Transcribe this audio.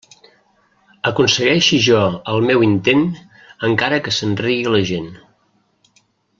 Aconsegueixi jo el meu intent, encara que se'n rigui la gent.